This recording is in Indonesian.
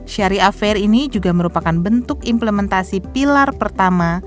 syariah fair ini juga merupakan bentuk implementasi pilar pertama